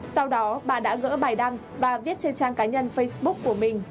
sau đó bà đã gỡ bài đăng và viết trên trang cá nhân facebook của mình